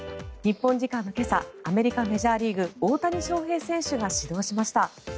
日本時間の今朝アメリカ・メジャーリーグ大谷翔平選手が指導しました。